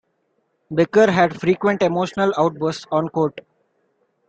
Becker had frequent emotional outbursts on court.